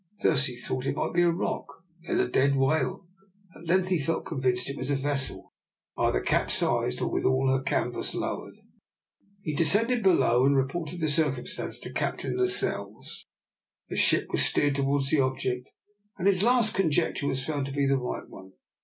At first he thought it might be a rock, then a dead whale. At length he felt convinced that it was a vessel, either capsized or with all her canvas lowered. He descended below, and reported the circumstance to Captain Lascelles. The ship was steered towards the object, and his last conjecture was found to be the right one.